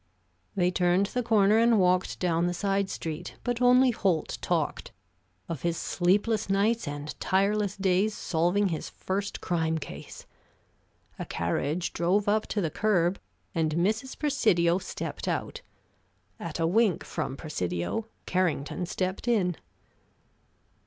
They turned the corner and walked down the side street, but only Holt talked: of his sleepless nights and tireless days solving his first crime case. A carriage drove up to the curb and Mrs. Presidio stepped out. At a wink from Presidio Carrington stepped in.